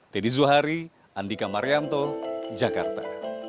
tedi zuhari andika maryanto jakarta